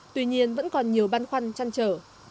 tuy nhiên vẫn còn nhiều băn khoăn chăn trở